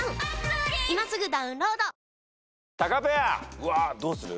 うわどうする？